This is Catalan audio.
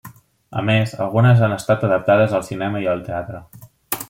A més, algunes han estat adaptades al cinema i al teatre.